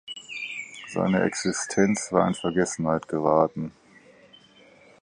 Seine Existenz war in Vergessenheit geraten.